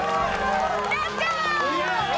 やったー！